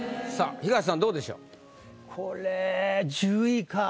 さぁ東さんどうでしょう？